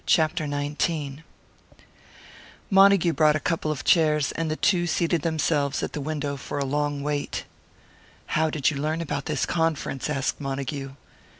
CHAPTER XIX Montague brought a couple of chairs, and the two seated themselves at the window for a long wait. "How did you learn about this conference?" asked Montague.